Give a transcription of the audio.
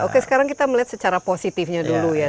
oke sekarang kita melihat secara positifnya dulu ya